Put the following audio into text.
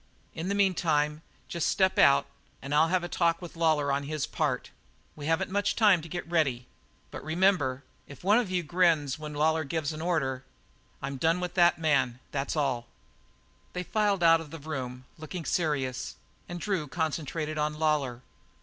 In the meantime just step out and I'll have a talk with Lawlor on his part. We haven't much time to get ready. But remember if one of you grins when Lawlor gives an order I'm done with that man that's all." They filed out of the room, looking serious, and Drew concentrated on Lawlor.